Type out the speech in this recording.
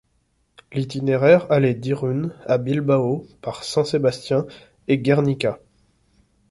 L'itinéraire allait d'Irun à Bilbao par Saint-Sébastien et Guernica.